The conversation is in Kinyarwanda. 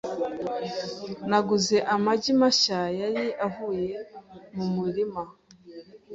Naguze amagi mashya yari avuye mu murima .